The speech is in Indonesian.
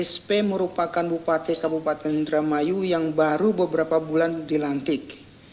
sp merupakan bupati kabupaten indramayu yang baru beberapa bulan dilantik